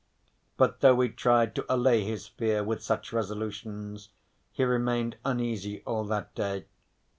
But though he tried to allay his fear with such resolutions he remained uneasy all that day.